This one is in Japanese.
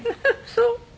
そう。